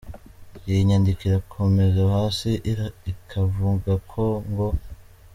Iyi nyandiko irakomeza hasi ikavunga ko ngo: